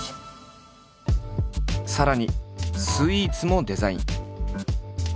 さらにスイーツもデザイン。